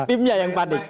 timnya yang panik